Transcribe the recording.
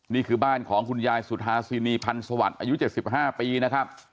นี่คือบ้านของคุณยายสุธาสินีพันธ์สวัสดิ์อายุ๗๕ปีนะครับ